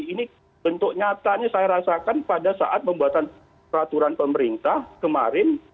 ini bentuk nyatanya saya rasakan pada saat membuat peraturan pemerintah kemarin